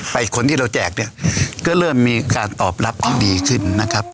คนที่เราแจกเนี่ยก็เริ่มมีการตอบรับที่ดีขึ้นนะครับ